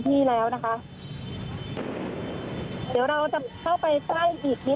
เพราะตอนนี้ก็ไม่มีเวลาให้เข้าไปที่นี่